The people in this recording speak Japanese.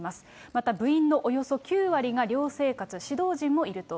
また部員のおよそ９割が寮生活、指導陣もいると。